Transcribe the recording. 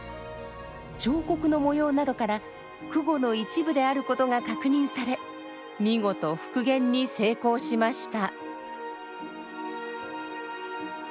彫刻の模様などから箜篌の一部であることが確認され見事復元に成功しました。